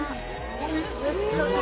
おいしい。